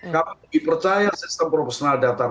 kami lebih percaya sistem profesional datang